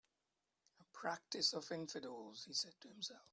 "A practice of infidels," he said to himself.